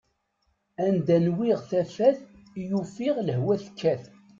Anda nwiɣ tafat i yufiɣ lehwa tekkat!